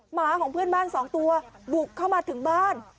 หมาของเพื่อนบ้านสองตัวบุกเข้ามาถึงบ้าน